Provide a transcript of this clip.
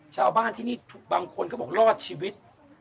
ชาวบ้านที่นี่บางคนเขาบอกรอดชีวิต